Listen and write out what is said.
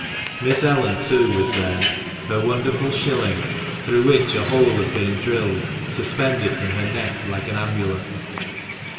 Miss Ellen, too, was there, her wonderful shilling, through which a hole had been drilled, suspended from her neck like an amulet.